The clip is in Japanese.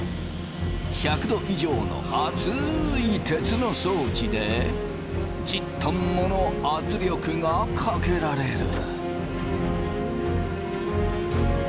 １００度以上の熱い鉄の装置で１０トンもの圧力がかけられる。